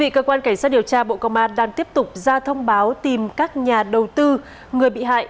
cơ quan cảnh sát điều tra bộ công an đang tiếp tục ra thông báo tìm các nhà đầu tư người bị hại